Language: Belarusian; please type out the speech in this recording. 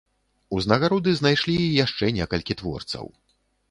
Узнагароды знайшлі і яшчэ некалькі творцаў.